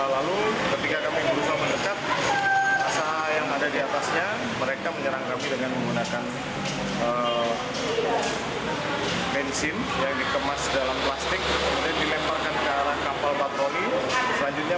lalu ketika kami berusaha mendekat asal yang ada di atasnya mereka menyerang kami dengan menggunakan